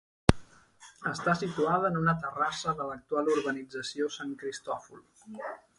Està situada en una terrassa de l'actual urbanització Sant Cristòfol.